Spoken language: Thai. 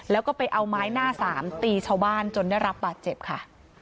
แล้วก็ไปเอาไม้หน้าสามตีชาวบ้านจนได้รับบาดเจ็บค่ะ